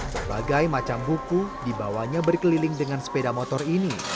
sebagai macam buku dibawanya berkeliling dengan sepeda motor ini